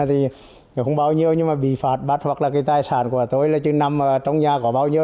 thì nó không bao nhiêu nhưng mà bị phạt bắt hoặc là cái tài sản của tôi là chứ nằm trong nhà có bao nhiêu